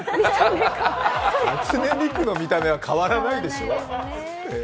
初音ミクの見た目は変わらないでしょう？